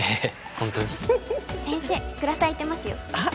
ホントに先生グラス空いてますよあっ